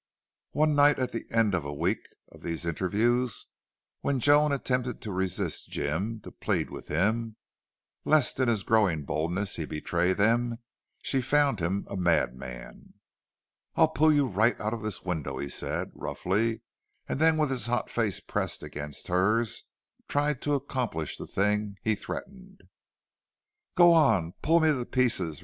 One night at the end of a week of these interviews, when Joan attempted to resist Jim, to plead with him, lest in his growing boldness he betray them, she found him a madman. "I'll pull you right out of this window," he said, roughly, and then with his hot face pressed against hers tried to accomplish the thing he threatened. "Go on pull me to pieces!"